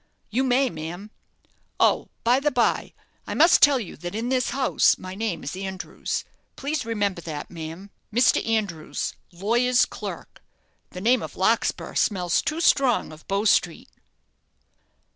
"You may, ma'am. Oh, by the bye, I must tell you that in this house my name is Andrews. Please remember that, ma'am." "Mr. Andrews, lawyer's clerk. The name of Larkspur smells too strong of Bow Street."